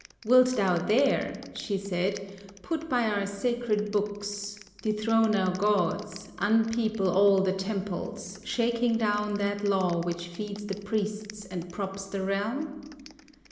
"Wilt thou dare," she said, "Put by our sacred books, dethrone our gods, Unpeople all the temples, shaking down That law which feeds the priests and props the realm?"